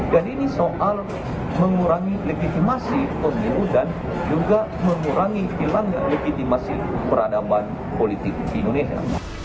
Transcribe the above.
dan ini soal mengurangi legitimasi pemilu dan juga mengurangi hilangnya legitimasi peradaban politik di indonesia